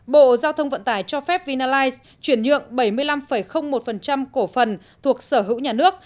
bộ giao thông vận tải cho phép vinalize chuyển nhượng bảy mươi năm một cổ phần thuộc sở hữu nhà nước